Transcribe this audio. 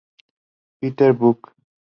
Peter Buck.